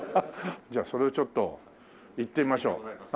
じゃあそれをちょっといってみましょう。